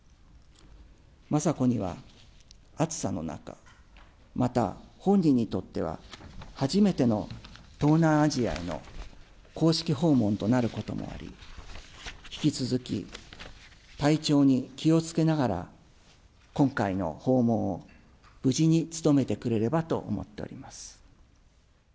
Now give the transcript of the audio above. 雅子には暑さの中、また、本人にとっては初めての東南アジアへの公式訪問となることもあり、引き続き、体調に気をつけながら、今回の訪問を、無事に務めてくれればと思っております。